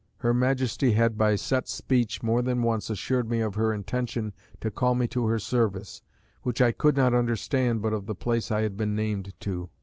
Her Majesty had by set speech more than once assured me of her intention to call me to her service, which I could not understand but of the place I had been named to.